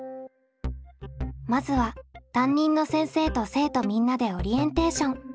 まずは担任の先生と生徒みんなでオリエンテーション。